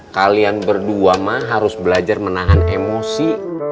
kalian berdua mah harus belajar menahan emosi